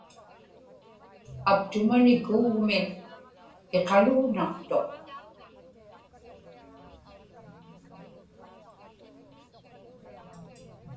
aptumani kuugmi iqalugnaqtuq